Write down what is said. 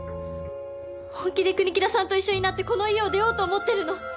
本気で国木田さんと一緒になってこの家を出ようと思ってるの。